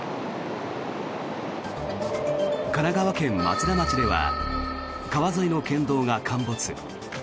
神奈川県松田町では川沿いの県道が陥没。